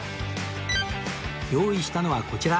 用意したのはこちら